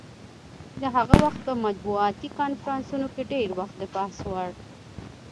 د هغه وخت په مطبوعاتي کنفرانسونو کې ډېر د بحث وړ.